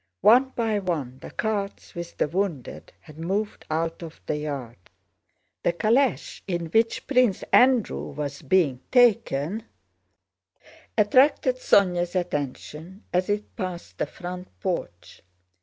One by one the carts with the wounded had moved out of the yard. The calèche in which Prince Andrew was being taken attracted Sónya's attention as it passed the front porch.